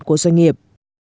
của doanh nghiệp